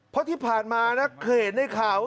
เพราะที่ผ่านมานะเคยเห็นในข่าว